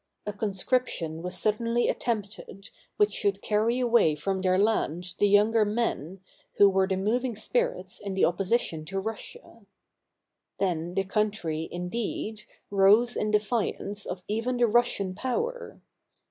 A conscription was suddenly attempted which should carry away from their land the younger men, who were the moving spirits in the opposition to Russia. Then the country, indeed, rose in defiance of even the Rus sian power.